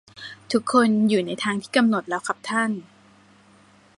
ทุกคนอยู่ในทางที่กำหนดแล้วครับท่าน